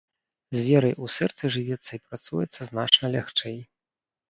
З верай у сэрцы жывецца і працуецца значна лягчэй.